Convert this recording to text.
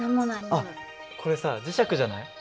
あっこれさ磁石じゃない？